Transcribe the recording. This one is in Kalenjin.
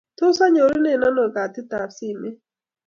Tos anyorune ano katitab simet?